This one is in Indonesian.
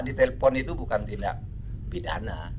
di telpon itu bukan tindak pidana